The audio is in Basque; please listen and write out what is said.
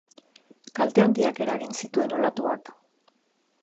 Kalte handiak eragin zituen olatuak.